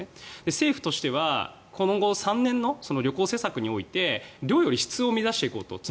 政府としてはこの後３年の旅行施策として量より質を目指していこうと。